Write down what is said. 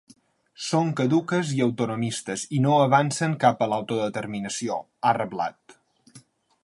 “Són caduques i autonomistes i no avancen cap a l’autodeterminació”, ha reblat.